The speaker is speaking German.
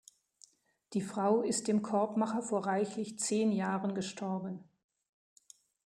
Die Frau ist dem Korbmacher vor reichlich zehn Jahren gestorben.